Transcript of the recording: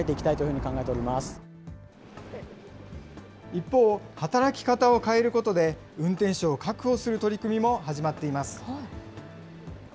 一方、働き方を変えることで、運転手を確保する取り組みも始まっています。